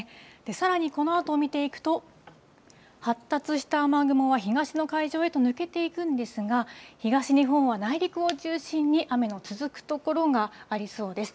さらにこのあと見ていくと、発達した雨雲は東の海上へと抜けていくんですが、東日本は内陸を中心に、雨の続く所がありそうです。